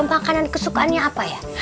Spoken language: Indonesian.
makanan kesukaannya apa ya